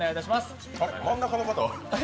真ん中の方は？